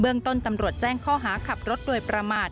ต้นตำรวจแจ้งข้อหาขับรถโดยประมาท